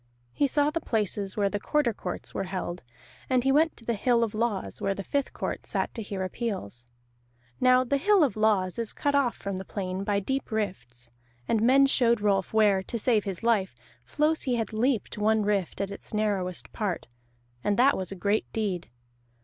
He saw the places where the Quarter Courts were held, and he went to the Hill of Laws, where the Fifth Court sat to hear appeals. Now the Hill of Laws is cut off from the plain by deep rifts, and men showed Rolf where, to save his life, Flosi had leaped one rift at its narrowest part, and that was a great deed.